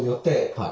はい。